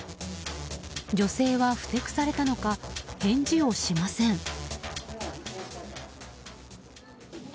女性はふてくされたのか返事をしません。